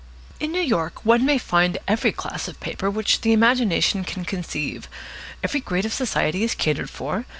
In New York one may find every class of paper which the imagination can conceive. Every grade of society is catered for.